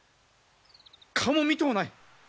顔も見とうない。